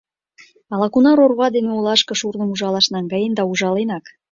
Ала-кунар орва дене олашке шурным ужалаш наҥгаен да ужаленак.